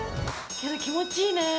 けど気持ちいいね。